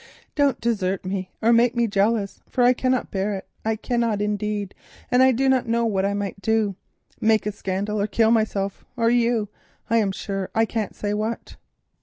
Don't desert me or make me jealous, for I cannot bear it, I cannot, indeed, and I do not know what I might do—make a scandal or kill myself or you, I'm sure I can't say what.